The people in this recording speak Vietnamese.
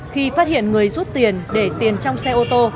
khi phát hiện người rút tiền để tiền trong xe ô tô